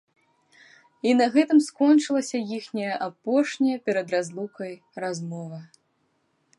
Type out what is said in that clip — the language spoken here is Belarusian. І на гэтым скончылася іхняя апошняя перад разлукай размова.